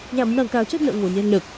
nhằm nâng cao chất lượng nguồn nhân lực